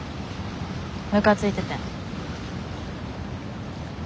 ムカついててん。